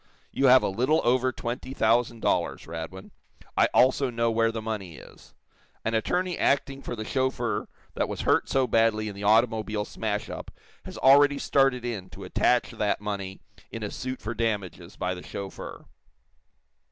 "You have a little over twenty thousand dollars, Radwin. I also know where the money is. An attorney acting for the chauffeur that was hurt so badly in the automobile smash up has already started in to attach that money in a suit for damages by the chauffeur."